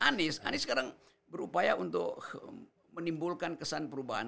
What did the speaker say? anies anies sekarang berupaya untuk menimbulkan kesan perubahan